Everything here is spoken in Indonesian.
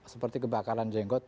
seperti kebakaran jenggot